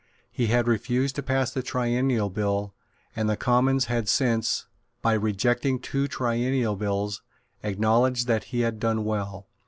He had refused to pass the Triennial Bill; and the Commons had since, by rejecting two Triennial Bills, acknowledged that he had done well.